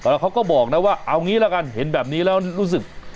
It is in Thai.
แล้วเขาก็บอกนะว่าเอางี้ละกันเห็นแบบนี้แล้วรู้สึก